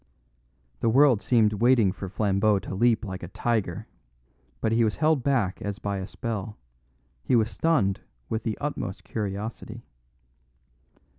The world seemed waiting for Flambeau to leap like a tiger. But he was held back as by a spell; he was stunned with the utmost curiosity.